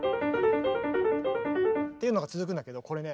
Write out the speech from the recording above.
っていうのが続くんだけどこれね